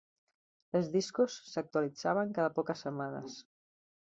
Els discos s'actualitzaven cada poques setmanes.